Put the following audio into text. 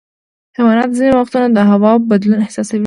حیوانات ځینې وختونه د هوا بدلون احساسوي.